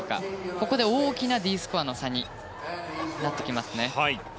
ここで大きなＤスコアの差になってきます。